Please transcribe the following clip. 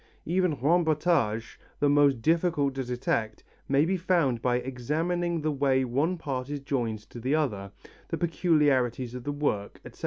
Even rembotage, the most difficult to detect, may be found out by examining the way one part is joined to the other, the peculiarities of the work, etc.